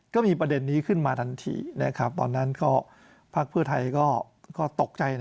ก็มีประเด็นนี้ขึ้นมาทันทีตอนนั้นก็พักเพื่อไทยก็ตกใจ